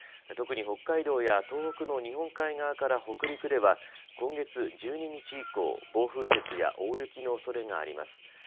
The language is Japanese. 特に北海道や東北の日本海側から北陸では今月１２日以降、暴風雪や大雪のおそれがあります。